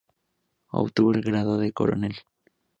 Obtuvo el grado de coronel.